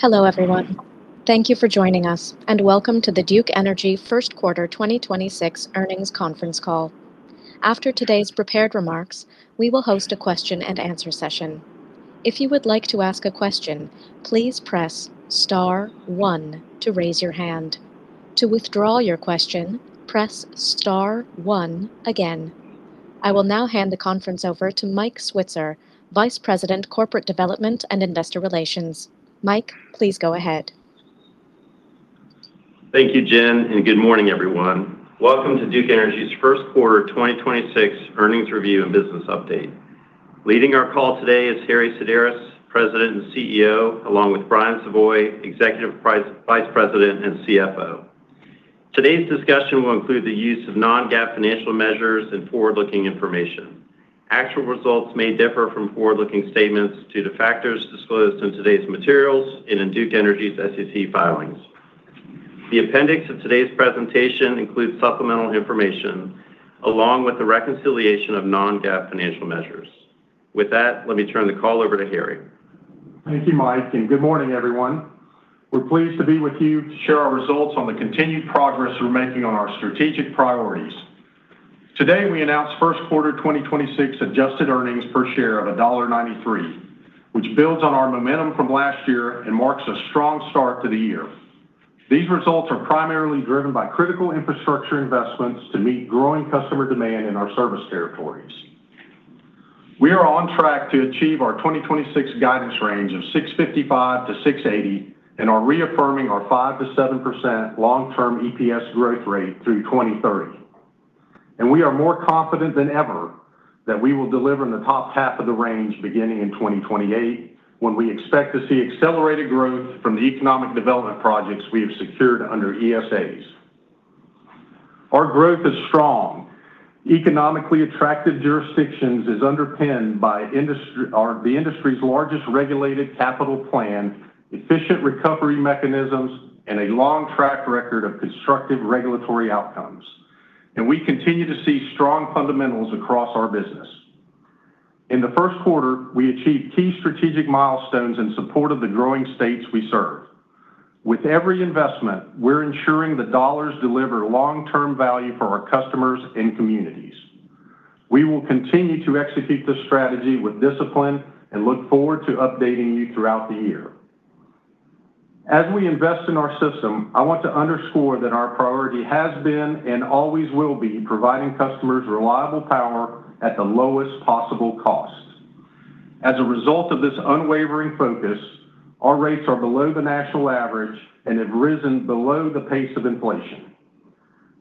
Hello, everyone. Thank you for joining us, and welcome to the Duke Energy first quarter 2026 earnings conference call. After today's prepared remarks, we will host a question and answer session. If you would like to ask a question, please press star one to raise your hand. To withdraw your question, press star one again. I will now hand the conference over to Mike Switzer, Vice President, Corporate Development and Investor Relations. Mike, please go ahead. Thank you, Jen. Good morning, everyone. Welcome to Duke Energy's first quarter 2026 earnings review and business update. Leading our call today is Harry Sideris, President and CEO, along with Brian Savoy, Executive Vice President and CFO. Today's discussion will include the use of non-GAAP financial measures and forward-looking information. Actual results may differ from forward-looking statements due to factors disclosed in today's materials and in Duke Energy's SEC filings. The appendix of today's presentation includes supplemental information along with the reconciliation of non-GAAP financial measures. With that, let me turn the call over to Harry. Thank you, Mike. Good morning, everyone. We're pleased to be with you to share our results on the continued progress we're making on our strategic priorities. Today, we announced first quarter 2026 adjusted earnings per share of $1.93, which builds on our momentum from last year and marks a strong start to the year. These results are primarily driven by critical infrastructure investments to meet growing customer demand in our service territories. We are on track to achieve our 2026 guidance range of $6.55-$6.80 and are reaffirming our 5%-7% long-term EPS growth rate through 2030. We are more confident than ever that we will deliver in the top half of the range beginning in 2028, when we expect to see accelerated growth from the economic development projects we have secured under ESAs. Our growth is strong. Economically attractive jurisdictions is underpinned by or the industry's largest regulated capital plan, efficient recovery mechanisms, and a long track record of constructive regulatory outcomes. We continue to see strong fundamentals across our business. In the first quarter, we achieved key strategic milestones in support of the growing states we serve. With every investment, we're ensuring the dollars deliver long-term value for our customers and communities. We will continue to execute this strategy with discipline and look forward to updating you throughout the year. As we invest in our system, I want to underscore that our priority has been and always will be providing customers reliable power at the lowest possible cost. As a result of this unwavering focus, our rates are below the national average and have risen below the pace of inflation.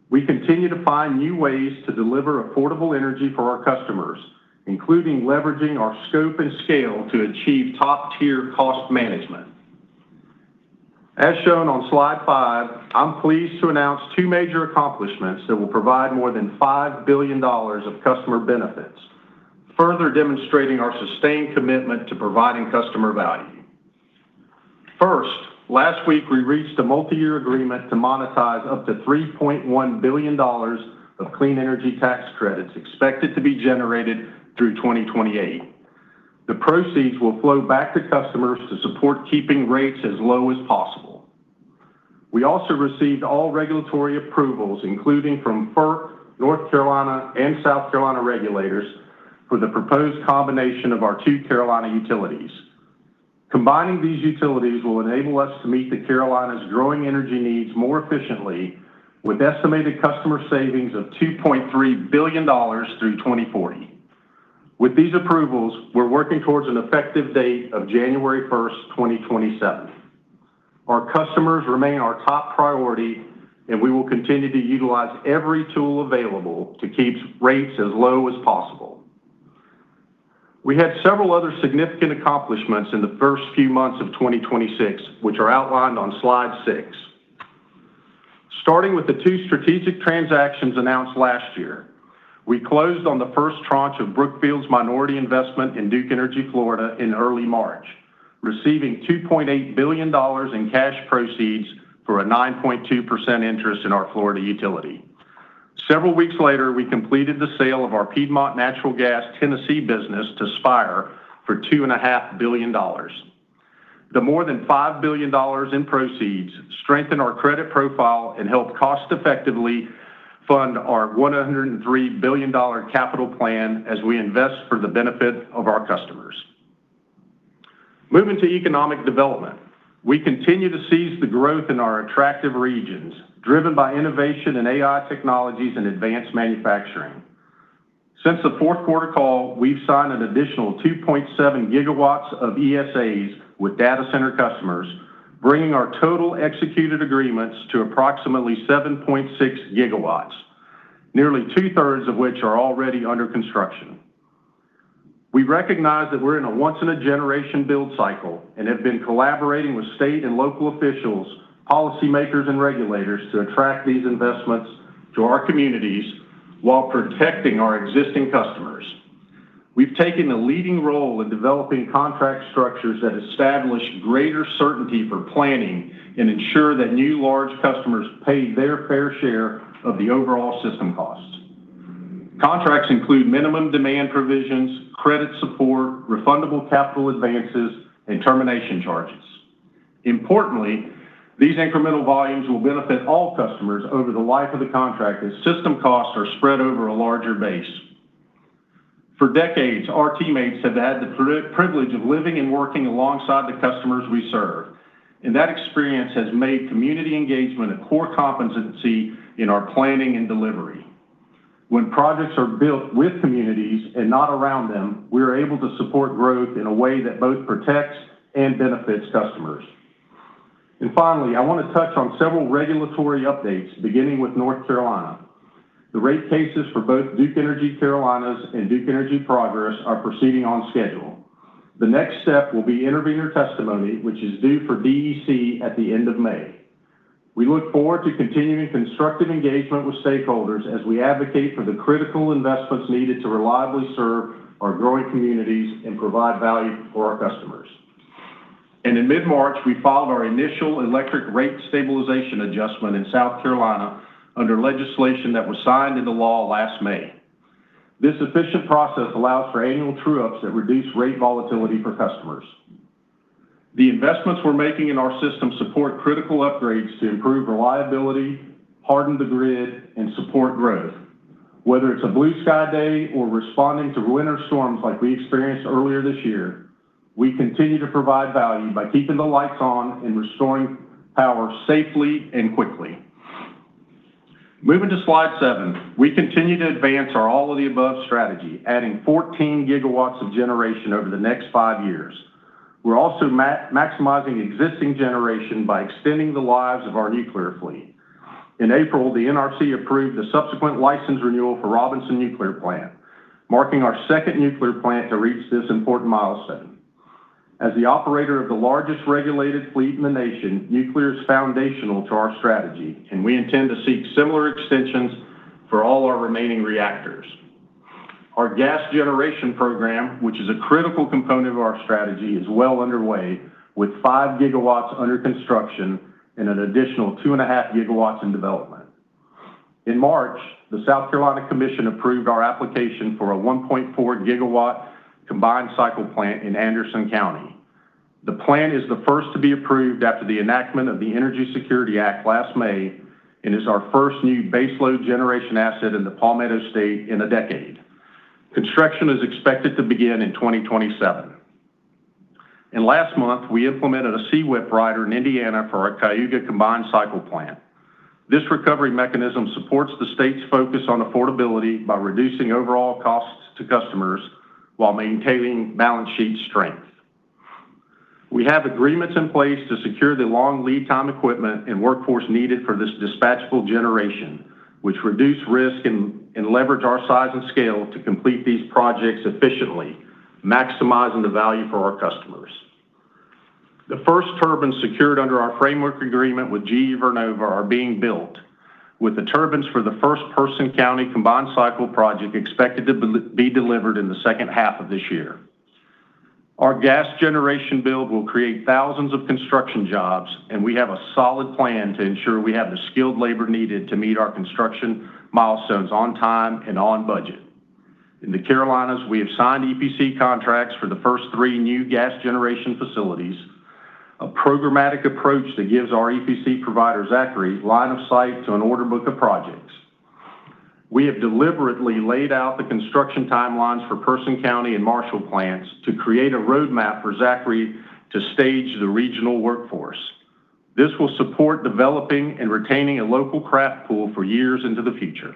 We continue to find new ways to deliver affordable energy for our customers, including leveraging our scope and scale to achieve top-tier cost management. As shown on slide five, I'm pleased to announce two major accomplishments that will provide more than $5 billion of customer benefits, further demonstrating our sustained commitment to providing customer value. First, last week we reached a multi-year agreement to monetize up to $3.1 billion of clean energy tax credits expected to be generated through 2028. The proceeds will flow back to customers to support keeping rates as low as possible. We also received all regulatory approvals, including from FERC, North Carolina, and South Carolina regulators for the proposed combination of our two Carolina utilities. Combining these utilities will enable us to meet the Carolinas' growing energy needs more efficiently with estimated customer savings of $2.3 billion through 2040. With these approvals, we're working towards an effective date of January 1st, 2027. Our customers remain our top priority. We will continue to utilize every tool available to keep rates as low as possible. We had several other significant accomplishments in the first few months of 2026, which are outlined on slide six. Starting with the two strategic transactions announced last year, we closed on the first tranche of Brookfield's minority investment in Duke Energy Florida in early March, receiving $2.8 billion in cash proceeds for a 9.2% interest in our Florida utility. Several weeks later, we completed the sale of our Piedmont Natural Gas Tennessee business to Spire for two and a half billion dollars. The more than $5 billion in proceeds strengthen our credit profile and help cost effectively fund our $103 billion capital plan as we invest for the benefit of our customers. Moving to economic development, we continue to seize the growth in our attractive regions, driven by innovation in AI technologies and advanced manufacturing. Since the fourth quarter call, we've signed an additional 2.7 GW of ESAs with data center customers, bringing our total executed agreements to approximately 7.6 GW, nearly two-thirds of which are already under construction. We recognize that we're in a once-in-a-generation build cycle and have been collaborating with state and local officials, policymakers, and regulators to attract these investments to our communities while protecting our existing customers. We've taken a leading role in developing contract structures that establish greater certainty for planning and ensure that new large customers pay their fair share of the overall system costs. Contracts include minimum demand provisions, credit support, refundable capital advances, and termination charges. Importantly, these incremental volumes will benefit all customers over the life of the contract as system costs are spread over a larger base. For decades, our teammates have had the privilege of living and working alongside the customers we serve, and that experience has made community engagement a core competency in our planning and delivery. When projects are built with communities and not around them, we are able to support growth in a way that both protects and benefits customers. Finally, I want to touch on several regulatory updates beginning with North Carolina. The rate cases for both Duke Energy Carolinas and Duke Energy Progress are proceeding on schedule. The next step will be intervener testimony, which is due for DEC at the end of May. We look forward to continuing constructive engagement with stakeholders as we advocate for the critical investments needed to reliably serve our growing communities and provide value for our customers. In mid-March, we filed our initial Electric Rate Stabilization Adjustment in South Carolina under legislation that was signed into law last May. This efficient process allows for annual true-ups that reduce rate volatility for customers. The investments we're making in our system support critical upgrades to improve reliability, harden the grid, and support growth. Whether it's a blue sky day or responding to winter storms like we experienced earlier this year, we continue to provide value by keeping the lights on and restoring power safely and quickly. Moving to slide seven, we continue to advance our all of the above strategy, adding 14 GW of generation over the next five years. We're also maximizing existing generation by extending the lives of our nuclear fleet. In April, the NRC approved the subsequent license renewal for Robinson Nuclear Plant, marking our second nuclear plant to reach this important milestone. As the operator of the largest regulated fleet in the nation, nuclear is foundational to our strategy, and we intend to seek similar extensions for all our remaining reactors. Our gas generation program, which is a critical component of our strategy, is well underway with 5 GW under construction and an additional 2.5 GW in development. In March, the South Carolina Commission approved our application for a 1.4 GW combined cycle plant in Anderson County. The plant is the first to be approved after the enactment of the Energy Security Act last May and is our first new base load generation asset in the Palmetto State in a decade. Construction is expected to begin in 2027. Last month, we implemented a CWIP rider in Indiana for our Cayuga combined cycle plant. This recovery mechanism supports the state's focus on affordability by reducing overall costs to customers while maintaining balance sheet strength. We have agreements in place to secure the long lead time equipment and workforce needed for this dispatchable generation, which reduce risk and leverage our size and scale to complete these projects efficiently, maximizing the value for our customers. The first turbines secured under our framework agreement with GE Vernova are being built, with the turbines for the first Person County combined cycle project expected to be delivered in the second half of this year. Our gas generation build will create thousands of construction jobs, and we have a solid plan to ensure we have the skilled labor needed to meet our construction milestones on time and on budget. In the Carolinas, we have signed EPC contracts for the first three new gas generation facilities, a programmatic approach that gives our EPC provider, Zachry, line of sight to an order book of projects. We have deliberately laid out the construction timelines for Person County and Marshall Plants to create a roadmap for Zachry to stage the regional workforce. This will support developing and retaining a local craft pool for years into the future.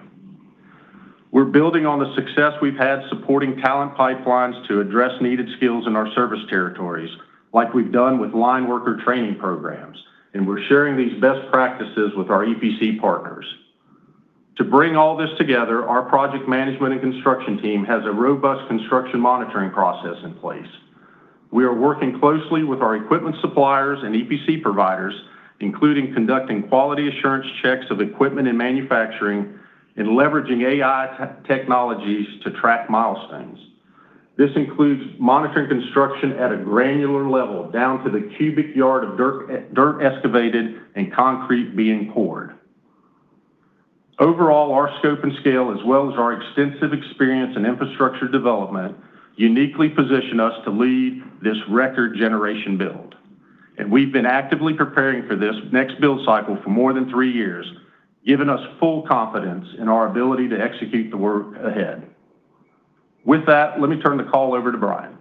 We're building on the success we've had supporting talent pipelines to address needed skills in our service territories like we've done with line worker training programs, and we're sharing these best practices with our EPC partners. To bring all this together, our project management and construction team has a robust construction monitoring process in place. We are working closely with our equipment suppliers and EPC providers, including conducting quality assurance checks of equipment and manufacturing and leveraging AI technologies to track milestones. This includes monitoring construction at a granular level, down to the cubic yard of dirt excavated and concrete being poured. Overall, our scope and scale, as well as our extensive experience in infrastructure development, uniquely position us to lead this record generation build. We've been actively preparing for this next build cycle for more than three years, giving us full confidence in our ability to execute the work ahead. With that, let me turn the call over to Brian.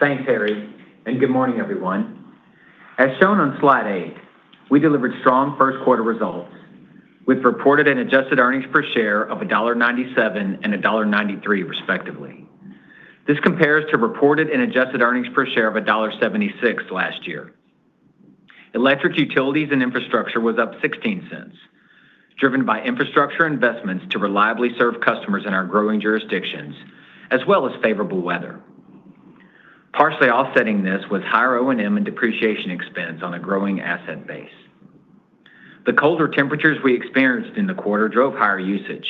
Thanks, Harry. Good morning, everyone. As shown on slide eight, we delivered strong first quarter results with reported and adjusted earnings per share of $1.97 and $1.93 respectively. This compares to reported and adjusted earnings per share of $1.76 last year. Electric utilities and infrastructure was up $0.16, driven by infrastructure investments to reliably serve customers in our growing jurisdictions, as well as favorable weather. Partially offsetting this was higher O&M and depreciation expense on a growing asset base. The colder temperatures we experienced in the quarter drove higher usage,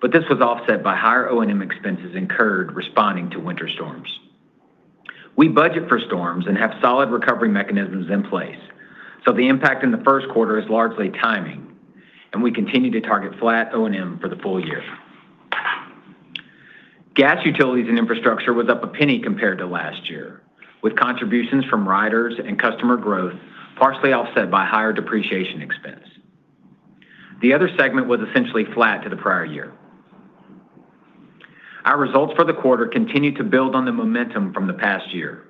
but this was offset by higher O&M expenses incurred responding to winter storms. We budget for storms and have solid recovery mechanisms in place. The impact in the first quarter is largely timing, and we continue to target flat O&M for the full year. Gas, utilities, and infrastructure was up a penny compared to last year, with contributions from riders and customer growth partially offset by higher depreciation expense. The other segment was essentially flat to the prior year. Our results for the quarter continued to build on the momentum from the past year,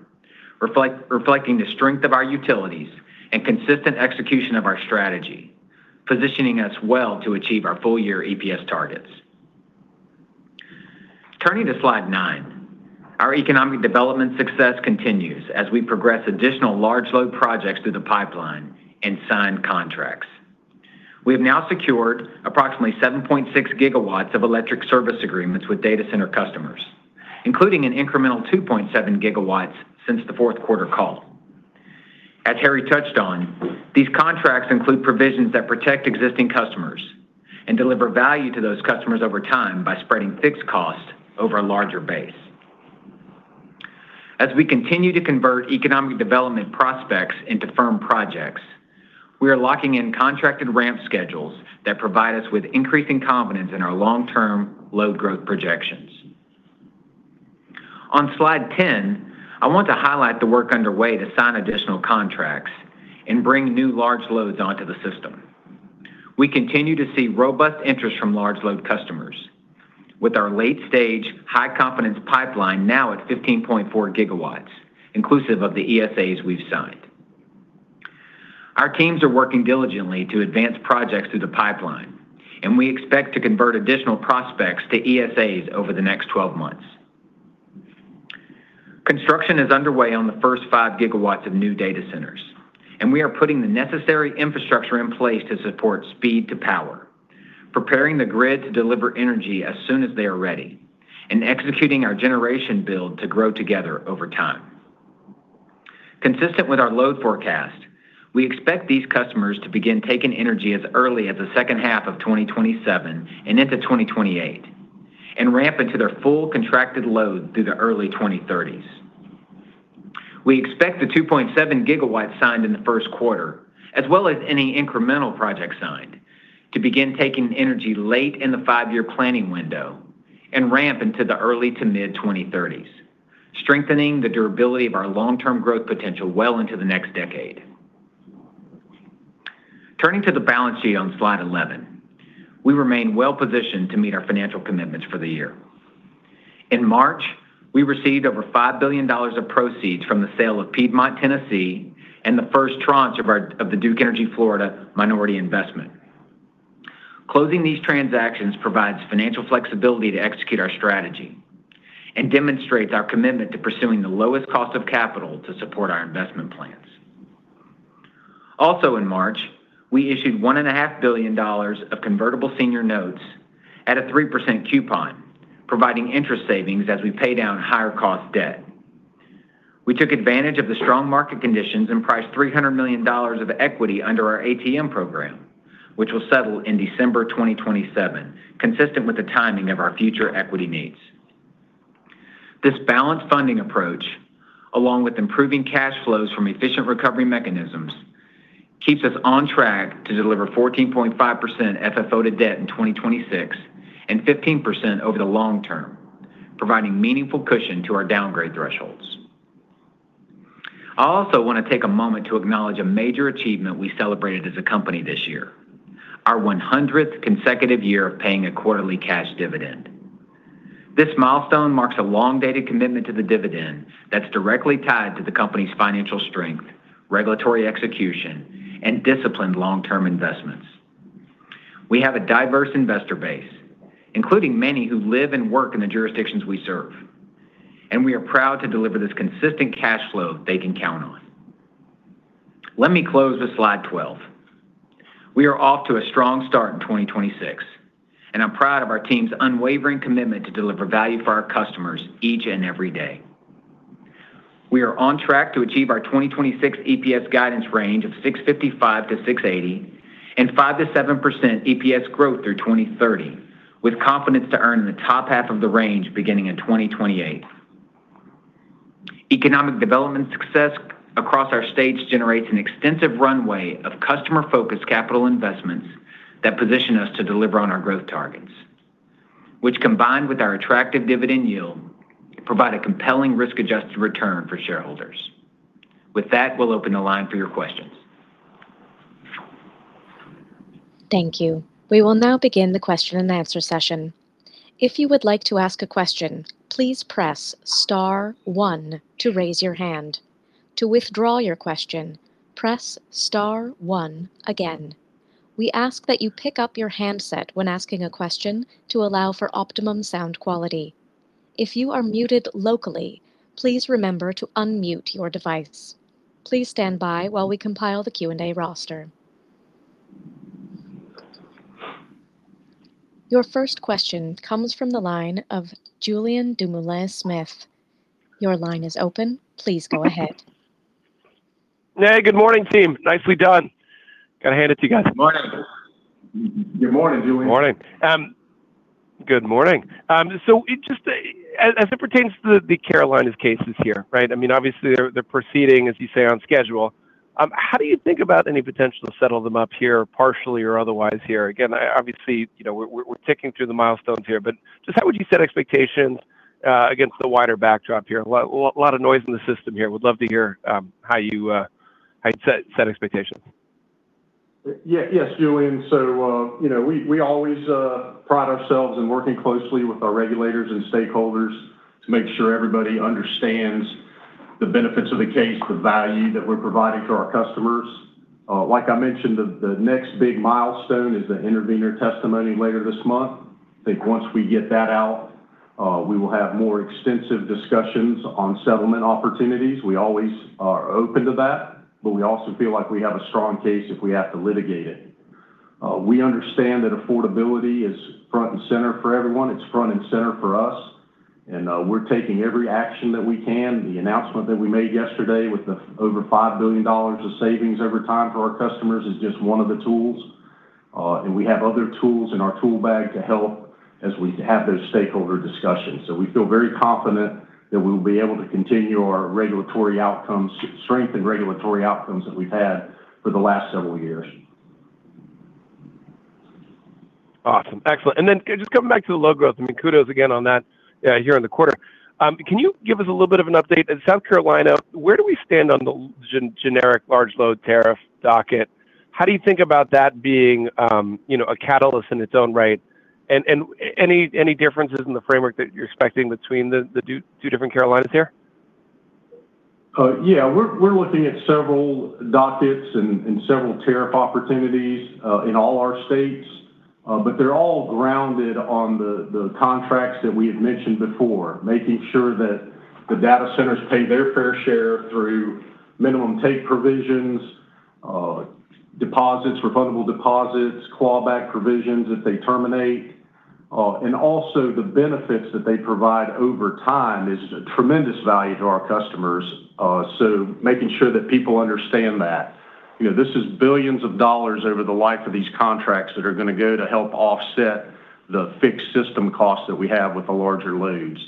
reflecting the strength of our utilities and consistent execution of our strategy, positioning us well to achieve our full-year EPS targets. Turning to slide nine. Our economic development success continues as we progress additional large load projects through the pipeline and sign contracts. We have now secured approximately 7.6 GW of Electric Service Agreements with data center customers, including an incremental 2.7 GW since the fourth quarter call. As Harry Sideris touched on, these contracts include provisions that protect existing customers and deliver value to those customers over time by spreading fixed costs over a larger base. As we continue to convert economic development prospects into firm projects, we are locking in contracted ramp schedules that provide us with increasing confidence in our long-term load growth projections. On slide 10, I want to highlight the work underway to sign additional contracts and bring new large loads onto the system. We continue to see robust interest from large load customers with our late-stage high confidence pipeline now at 15.4 GW, inclusive of the ESAs we've signed. Our teams are working diligently to advance projects through the pipeline, and we expect to convert additional prospects to ESAs over the next 12 months. Construction is underway on the first 5 GW of new data centers, and we are putting the necessary infrastructure in place to support speed to power, preparing the grid to deliver energy as soon as they are ready and executing our generation build to grow together over time. Consistent with our load forecast, we expect these customers to begin taking energy as early as the second half of 2027 and into 2028 and ramp into their full contracted load through the early 2030s. We expect the 2.7 GW signed in the first quarter, as well as any incremental projects signed, to begin taking energy late in the five-year planning window and ramp into the early to mid-2030s, strengthening the durability of our long-term growth potential well into the next decade. Turning to the balance sheet on Slide 11, we remain well positioned to meet our financial commitments for the year. In March, we received over $5 billion of proceeds from the sale of Piedmont, Tennessee, and the first tranche of the Duke Energy Florida minority investment. Closing these transactions provides financial flexibility to execute our strategy and demonstrates our commitment to pursuing the lowest cost of capital to support our investment plans. Also in March, we issued $1.5 billion of convertible senior notes at a 3% coupon, providing interest savings as we pay down higher cost debt. We took advantage of the strong market conditions and priced $300 million of equity under our ATM program, which will settle in December 2027, consistent with the timing of our future equity needs. This balanced funding approach, along with improving cash flows from efficient recovery mechanisms, keeps us on track to deliver 14.5% FFO to debt in 2026 and 15% over the long term, providing meaningful cushion to our downgrade thresholds. I also want to take a moment to acknowledge a major achievement we celebrated as a company this year, our 100th consecutive year of paying a quarterly cash dividend. This milestone marks a long-dated commitment to the dividend that is directly tied to the company's financial strength, regulatory execution, and disciplined long-term investments. We have a diverse investor base, including many who live and work in the jurisdictions we serve, and we are proud to deliver this consistent cash flow they can count on. Let me close with slide 12. We are off to a strong start in 2026. I'm proud of our team's unwavering commitment to deliver value for our customers each and every day. We are on track to achieve our 2026 EPS guidance range of $6.55-$6.80 and 5%-7% EPS growth through 2030, with confidence to earn in the top half of the range beginning in 2028. Economic development success across our states generates an extensive runway of customer-focused capital investments that position us to deliver on our growth targets, which, combined with our attractive dividend yield, provide a compelling risk-adjusted return for shareholders. With that, we'll open the line for your questions. Thank you. We will now begin the question and answer session. If you would like to ask a question, please press star one to raise your hand. To withdraw your question, press star one again. We ask that you pick up your handset when asking a question to allow for optimum sound quality. If you are muted locally, please remember to unmute your device. Please stand by while we compile the Q&A roster. Your first question comes from the line of Julien Dumoulin-Smith. Your line is open. Please go ahead. Yeah. Good morning, team. Nicely done. Gotta hand it to you guys. Morning. Good morning, Julien. Morning. Good morning. Just, as it pertains to the Carolinas cases here, right? I mean, obviously they're proceeding, as you say, on schedule. How do you think about any potential to settle them up here partially or otherwise here? Again, obviously, you know, we're ticking through the milestones here, but just how would you set expectations against the wider backdrop here? A lot of noise in the system here. Would love to hear how you'd set expectations. Yes, Julien. You know, we always pride ourselves in working closely with our regulators and stakeholders to make sure everybody understands the benefits of the case, the value that we're providing to our customers. Like I mentioned, the next big milestone is the intervener testimony later this month. I think once we get that out, we will have more extensive discussions on settlement opportunities. We always are open to that, but we also feel like we have a strong case if we have to litigate it. We understand that affordability is front and center for everyone. It's front and center for us, we're taking every action that we can. The announcement that we made yesterday with the over $5 billion of savings over time for our customers is just one of the tools. We have other tools in our tool bag to help as we have those stakeholder discussions. We feel very confident that we'll be able to continue our regulatory outcomes, strengthen regulatory outcomes that we've had for the last several years. Awesome. Excellent. Then just coming back to the low growth, I mean, kudos again on that here on the quarter. Can you give us a little bit of an update? In South Carolina, where do we stand on the generic large load tariff docket? How do you think about that being, you know, a catalyst in its own right? And any differences in the framework that you're expecting between the two different Carolinas here? Yeah. We're looking at several dockets and several tariff opportunities in all our states. They're all grounded on the contracts that we had mentioned before, making sure that the data centers pay their fair share through minimum take provisions, deposits, refundable deposits, claw back provisions if they terminate. Also the benefits that they provide over time is a tremendous value to our customers. Making sure that people understand that. You know, this is billions of dollars over the life of these contracts that are gonna go to help offset the fixed system costs that we have with the larger loads.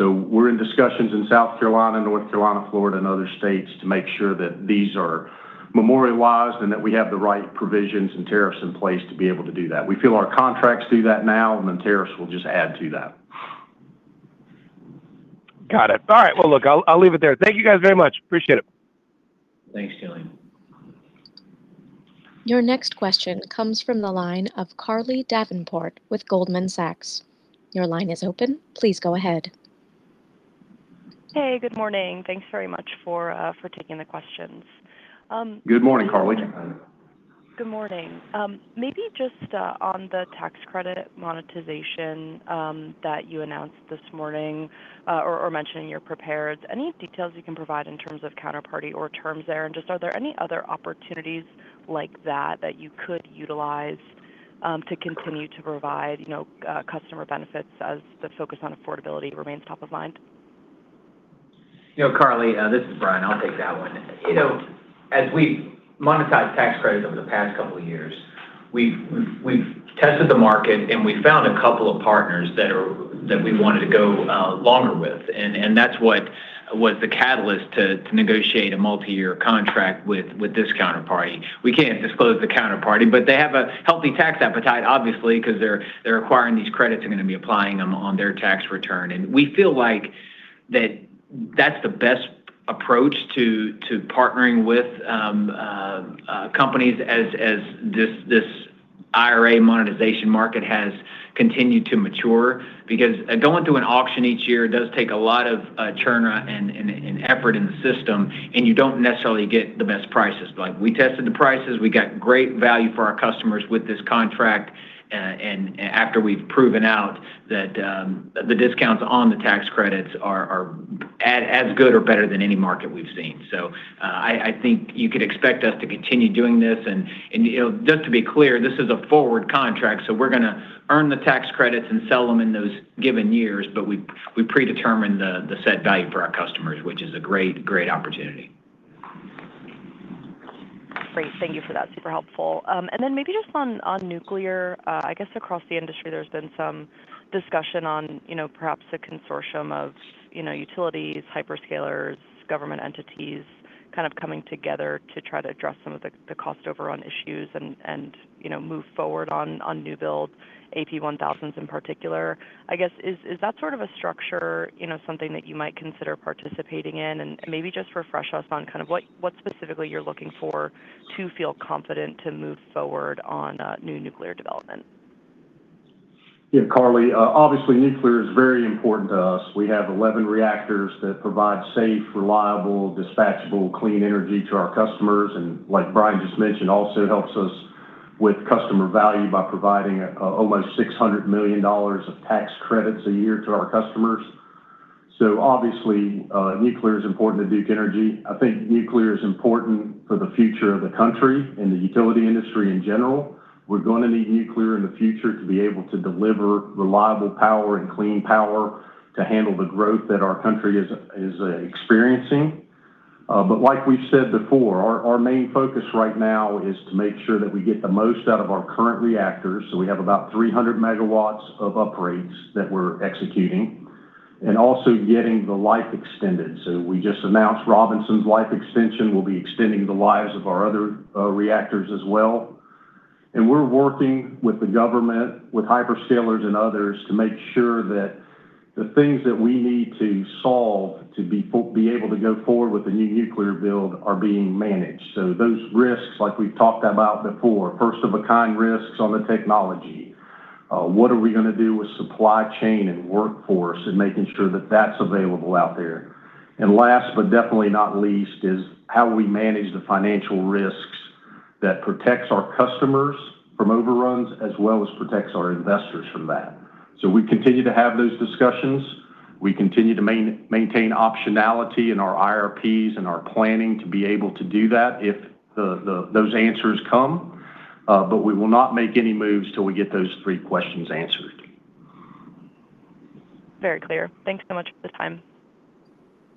We're in discussions in South Carolina, North Carolina, Florida, and other states to make sure that these are memorialized and that we have the right provisions and tariffs in place to be able to do that. We feel our contracts do that now, and the tariffs will just add to that. Got it. All right. Well, look, I'll leave it there. Thank you, guys, very much. Appreciate it. Thanks, Julien. Your next question comes from the line of Carly Davenport with Goldman Sachs. Your line is open. Please go ahead. Hey, good morning. Thanks very much for taking the questions. Good morning, Carly. Good morning. Maybe just on the tax credit monetization that you announced this morning or mentioned in your prepared remarks, any details you can provide in terms of counterparty or terms there? Just are there any other opportunities like that that you could utilize to continue to provide, you know, customer benefits as the focus on affordability remains top of mind? You know, Carly, this is Brian. I'll take that one. You know, as we monetize tax credits over the past couple of years, we've tested the market, and we found a couple of partners that we wanted to go longer with. That's what was the catalyst to negotiate a multi-year contract with this counterparty. We can't disclose the counterparty, but they have a healthy tax appetite, obviously, 'cause they're acquiring these credits. They're gonna be applying them on their tax return. We feel like that that's the best approach to partnering with companies as this IRA monetization market has continued to mature. Going to an auction each year does take a lot of churn and effort in the system, you don't necessarily get the best prices. We tested the prices. We got great value for our customers with this contract. After we've proven out that the discounts on the tax credits are as good or better than any market we've seen. I think you could expect us to continue doing this. You know, just to be clear, this is a forward contract, we're gonna earn the tax credits and sell them in those given years. We predetermine the set value for our customers, which is a great opportunity. Great. Thank you for that. Super helpful. Maybe just on nuclear. I guess across the industry there's been some discussion on, you know, perhaps a consortium of, you know, utilities, hyperscalers, government entities kind of coming together to try to address some of the cost overrun issues and move forward on new build AP1000s in particular. I guess is that sort of a structure, you know, something that you might consider participating in? Maybe just refresh us on kind of what specifically you're looking for to feel confident to move forward on new nuclear development. Yeah, Carly, obviously nuclear is very important to us. We have 11 reactors that provide safe, reliable, dispatchable, clean energy to our customers. Like Brian just mentioned, also helps us with customer value by providing almost $600 million of tax credits a year to our customers. Obviously, nuclear is important to Duke Energy. I think nuclear is important for the future of the country and the utility industry in general. We're gonna need nuclear in the future to be able to deliver reliable power and clean power to handle the growth that our country is experiencing. Like we've said before, our main focus right now is to make sure that we get the most out of our current reactors. We have about 300 MW of upgrades that we're executing and also getting the life extended. We just announced Robinson's life extension. We'll be extending the lives of our other reactors as well. We're working with the government, with hyperscalers, and others to make sure that the things that we need to solve to be able to go forward with the new nuclear build are being managed. Those risks, like we've talked about before, first-of-a-kind risks on the technology. What are we gonna do with supply chain and workforce and making sure that that's available out there? Last but definitely not least is how we manage the financial risks that protects our customers from overruns as well as protects our investors from that. We continue to have those discussions. We continue to maintain optionality in our IRPs and our planning to be able to do that if those answers come. We will not make any moves till we get those three questions answered. Very clear. Thanks so much for the time.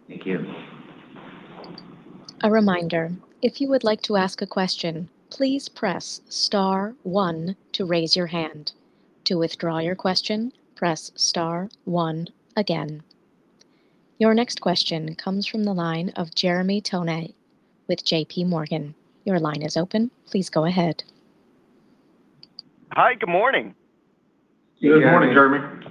Thank you. A reminder. If you would like to ask a question, please press star one to raise your hand. To withdraw your question, press star one again. Your next question comes from the line of Jeremy Tonet with JPMorgan. Your line is open. Please go ahead. Hi. Good morning. Good morning, Jeremy.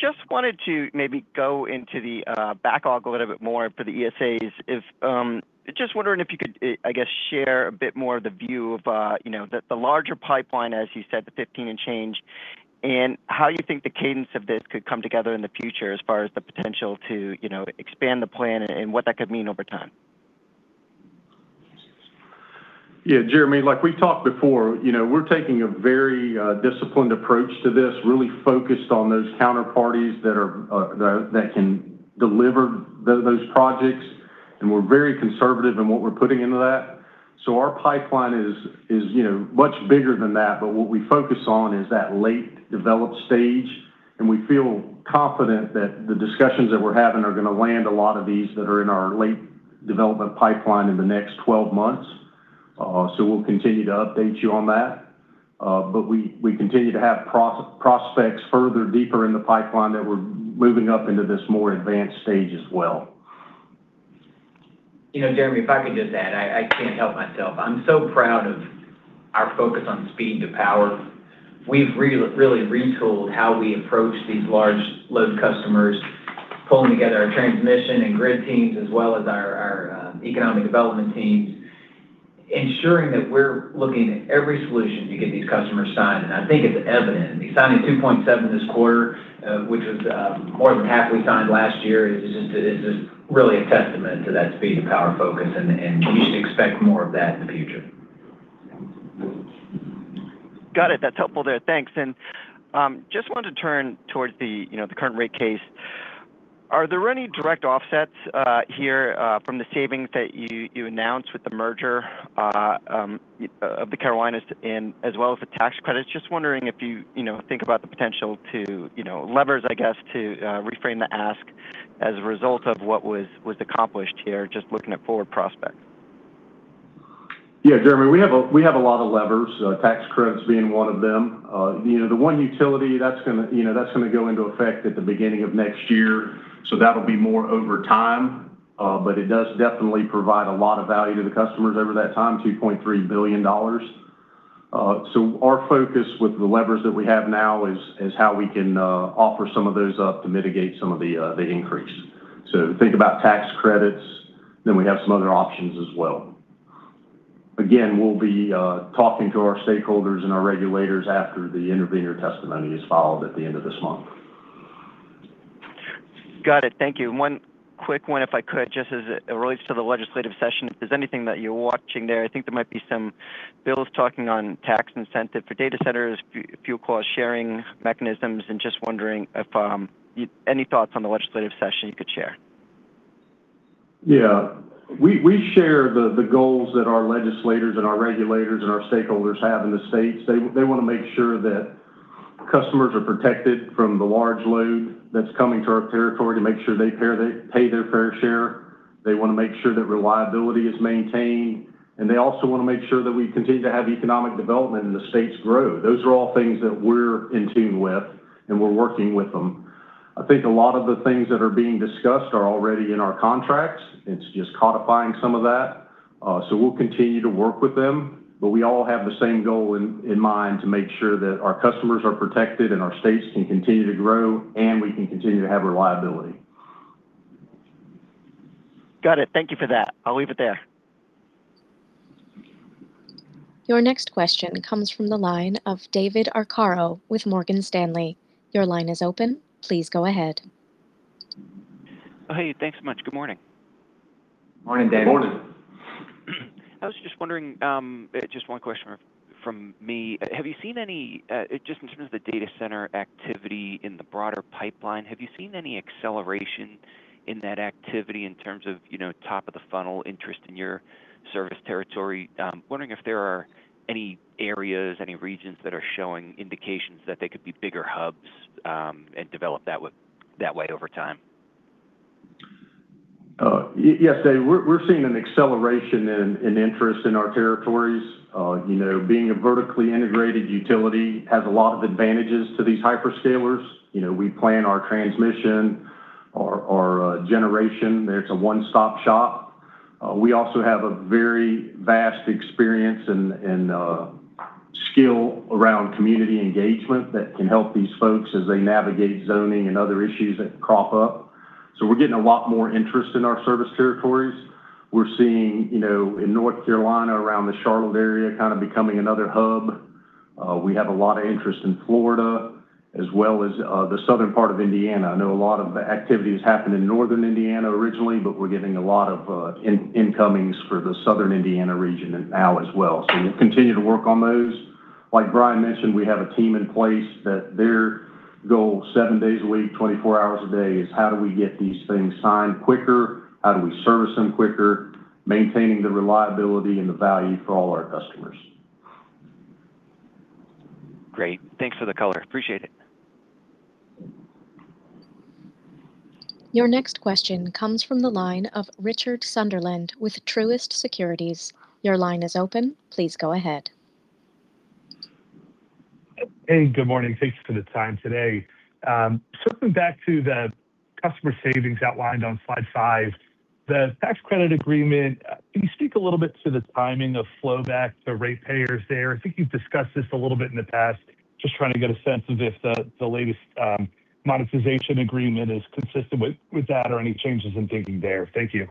Just wanted to maybe go into the backlog a little bit more for the ESAs. Just wondering if you could, I guess, share a bit more of the view of, you know, the larger pipeline, as you said, the 15 and change, and how you think the cadence of this could come together in the future as far as the potential to, you know, expand the plan and what that could mean over time. Yeah, Jeremy, like we talked before, you know, we're taking a very disciplined approach to this, really focused on those counterparties that are, that can deliver those projects, and we're very conservative in what we're putting into that. Our pipeline is, you know, much bigger than that. What we focus on is that late developed stage, and we feel confident that the discussions that we're having are gonna land a lot of these that are in our late development pipeline in the next 12 months. We'll continue to update you on that. We continue to have prospects further deeper in the pipeline that we're moving up into this more advanced stage as well. You know, Jeremy, if I could just add, I can't help myself. I'm so proud of our focus on speed to power. We've really retooled how we approach these large load customers, pulling together our transmission and grid teams as well as our economic development teams, ensuring that we're looking at every solution to get these customers signed. I think it's evident. We signed a 2.7 this quarter, which was more than half we signed last year. It's just really a testament to that speed and power focus, and you should expect more of that in the future. Got it. That's helpful there. Thanks. Just wanted to turn towards the, you know, the current rate case. Are there any direct offsets here from the savings that you announced with the merger, of the Carolinas and as well as the tax credits? Just wondering if you know, think about the potential to, you know, levers, I guess, to reframe the ask as a result of what was accomplished here, just looking at forward prospects. Yeah, Jeremy, we have a lot of levers, tax credits being one of them. You know, the one utility that's gonna go into effect at the beginning of next year, that'll be more over time. It does definitely provide a lot of value to the customers over that time, $2.3 billion. Our focus with the levers that we have now is how we can offer some of those up to mitigate some of the increase. Think about tax credits, we have some other options as well. Again, we'll be talking to our stakeholders and our regulators after the intervener testimony is filed at the end of this month. Got it. Thank you. One quick one if I could, just as it relates to the legislative session. If there's anything that you're watching there, I think there might be some bills talking on tax incentive for data centers, fuel cost-sharing mechanisms, and just wondering if any thoughts on the legislative session you could share. We share the goals that our legislators and our regulators and our stakeholders have in the states. They wanna make sure that customers are protected from the large load that's coming to our territory to make sure they pay their fair share. They wanna make sure that reliability is maintained, and they also wanna make sure that we continue to have economic development and the states grow. Those are all things that we're in tune with, and we're working with them. I think a lot of the things that are being discussed are already in our contracts. It's just codifying some of that. We'll continue to work with them, but we all have the same goal in mind to make sure that our customers are protected and our states can continue to grow and we can continue to have reliability. Got it. Thank you for that. I'll leave it there. Your next question comes from the line of David Arcaro with Morgan Stanley. Your line is open. Please go ahead. Hey. Thanks so much. Good morning. Morning, David. Morning. I was just wondering, just one question from me. Have you seen any, just in terms of the data center activity in the broader pipeline, have you seen any acceleration in that activity in terms of, you know, top of the funnel interest in your service territory? Wondering if there are any areas, any regions that are showing indications that they could be bigger hubs, and develop that way over time. Yes, Dave. We're seeing an acceleration in interest in our territories. You know, being a vertically integrated utility has a lot of advantages to these hyperscalers. You know, we plan our transmission or generation. It's a one-stop shop. We also have a very vast experience and skill around community engagement that can help these folks as they navigate zoning and other issues that crop up. We're getting a lot more interest in our service territories. We're seeing, you know, in North Carolina around the Charlotte area kinda becoming another hub. We have a lot of interest in Florida as well as the southern part of Indiana. I know a lot of the activities happened in northern Indiana originally, but we're getting a lot of incomings for the southern Indiana region now as well. We'll continue to work on those. Like Brian mentioned, we have a team in place that their goal seven days a week, 24 hours a day is how do we get these things signed quicker? How do we service them quicker, maintaining the reliability and the value for all our customers. Great. Thanks for the color. Appreciate it. Your next question comes from the line of Richard Sunderland with Truist Securities. Your line is open. Please go ahead. Hey, good morning. Thanks for the time today. Circling back to the customer savings outlined on slide five, the tax credit agreement, can you speak a little bit to the timing of flow back to ratepayers there? I think you've discussed this a little bit in the past. Just trying to get a sense of if the latest monetization agreement is consistent with that or any changes in thinking there. Thank you.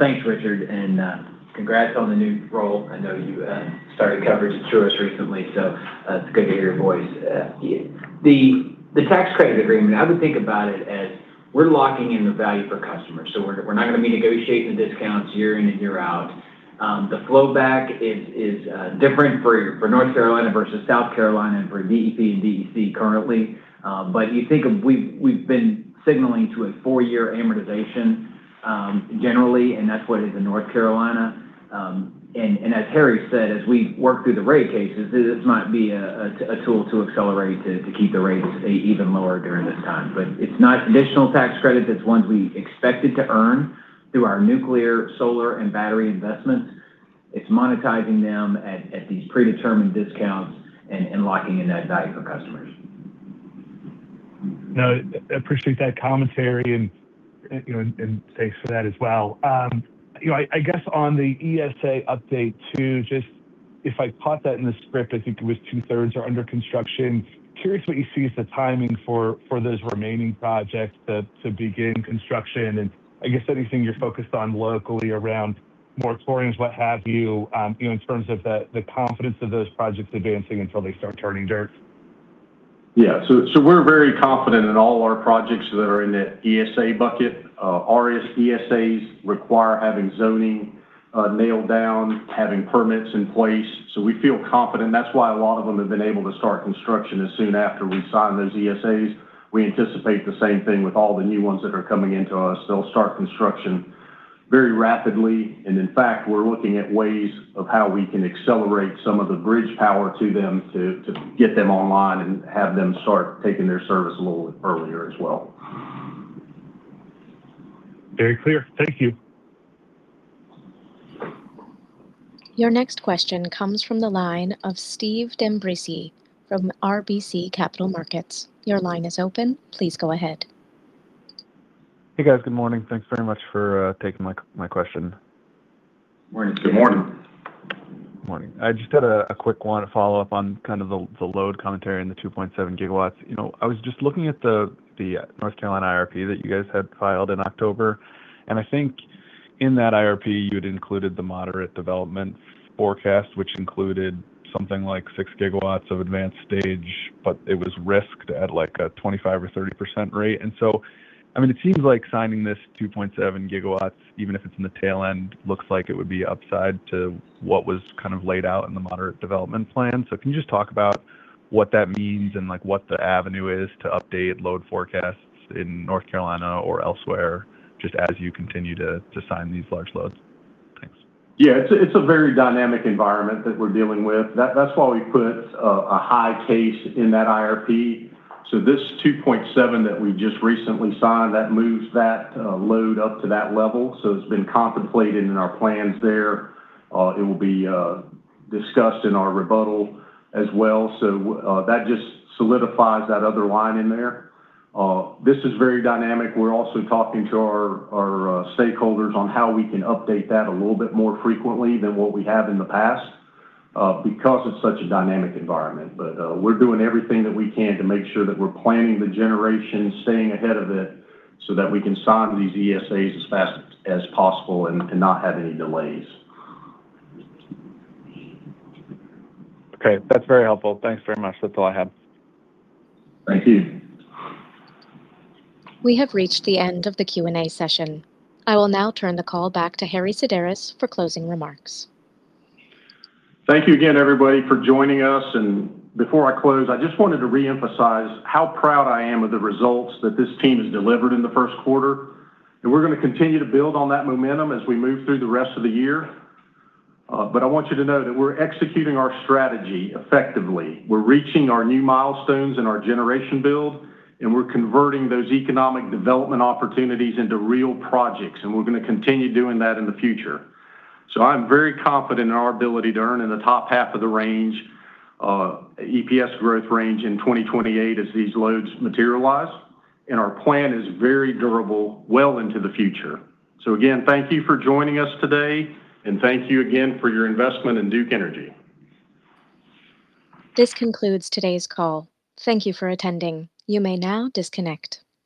Thanks, Richard, and congrats on the new role. I know you started coverage at Truist recently, so it's good to hear your voice. The tax credit agreement, I would think about it as we're locking in the value for customers, so we're not gonna be negotiating the discounts year in and year out. The flow back is different for North Carolina versus South Carolina and for DEP and DEC currently. You think of we've been signaling to a four-year amortization, generally, and that's what is in North Carolina. As Harry said, as we work through the rate cases, this might be a tool to accelerate to keep the rates even lower during this time. It's not additional tax credit. That's ones we expected to earn through our nuclear, solar, and battery investments. It's monetizing them at these predetermined discounts and locking in that value for customers. No, appreciate that commentary and, you know, and thanks for that as well. You know, I guess on the ESA update too, just if I caught that in the script, I think it was two-thirds are under construction. Curious what you see is the timing for those remaining projects to begin construction and I guess anything you're focused on locally around more explorings, what have you know, in terms of the confidence of those projects advancing until they start turning dirt. We're very confident in all our projects that are in the ESA bucket. Our ESAs require having zoning nailed down, having permits in place, so we feel confident. That's why a lot of them have been able to start construction as soon after we sign those ESAs. We anticipate the same thing with all the new ones that are coming into us. They'll start construction very rapidly. In fact, we're looking at ways of how we can accelerate some of the bridge power to them to get them online and have them start taking their service a little earlier as well. Very clear. Thank you. Your next question comes from the line of Steve D'Ambrisi from RBC Capital Markets. Your line is open. Please go ahead. Hey, guys. Good morning. Thanks very much for taking my question. Morning. Good morning. Morning. I just had a quick one to follow up on kind of the load commentary and the 2.7 GW. You know, I was just looking at the North Carolina IRP that you guys had filed in October, and I think in that IRP, you'd included the moderate development forecast, which included something like 6 GW of advanced stage, but it was risked at, like, a 25% or 30% rate. I mean, it seems like signing this 2.7 GW, even if it's in the tail end, looks like it would be upside to what was kind of laid out in the moderate development plan. Can you just talk about what that means and, like, what the avenue is to update load forecasts in North Carolina or elsewhere just as you continue to sign these large loads? Thanks. It's a very dynamic environment that we're dealing with. That's why we put a high case in that IRP. This 2.7 GW that we just recently signed, that moves that load up to that level, so it's been contemplated in our plans there. It will be discussed in our rebuttal as well. That just solidifies that other line in there. This is very dynamic. We're also talking to our stakeholders on how we can update that a little bit more frequently than what we have in the past because it's such a dynamic environment. We're doing everything that we can to make sure that we're planning the generation, staying ahead of it, so that we can sign these ESAs as fast as possible and not have any delays. Okay. That's very helpful. Thanks very much. That's all I have. Thank you. We have reached the end of the Q&A session. I will now turn the call back to Harry Sideris for closing remarks. Thank you again, everybody, for joining us. Before I close, I just wanted to reemphasize how proud I am of the results that this team has delivered in the first quarter. We're gonna continue to build on that momentum as we move through the rest of the year. I want you to know that we're executing our strategy effectively. We're reaching our new milestones in our generation build, and we're converting those economic development opportunities into real projects, and we're gonna continue doing that in the future. I'm very confident in our ability to earn in the top half of the range, EPS growth range in 2028 as these loads materialize, and our plan is very durable well into the future. Again, thank you for joining us today, and thank you again for your investment in Duke Energy. This concludes today's call. Thank you for attending. You may now disconnect.